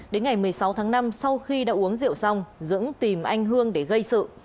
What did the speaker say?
đến ngày một mươi sáu tháng năm sau khi đã uống rượu xong dưỡng tìm anh hương để gây sự